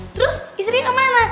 terus istrinya kemana